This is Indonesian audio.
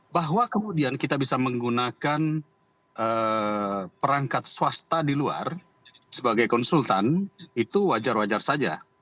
bahwa kemudian kita bisa menggunakan perangkat swasta di luar sebagai konsultan itu wajar wajar saja